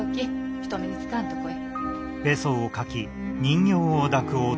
人目につかぬとこへ。